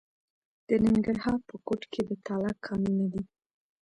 د ننګرهار په کوټ کې د تالک کانونه دي.